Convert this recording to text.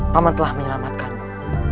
tuhan telah menyelamatkanmu